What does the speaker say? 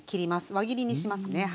輪切りにしますね。